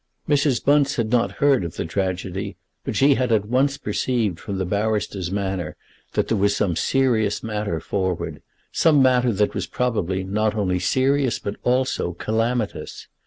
Mrs. Bunce had not heard of the tragedy, but she had at once perceived from the barrister's manner that there was some serious matter forward, some matter that was probably not only serious, but also calamitous.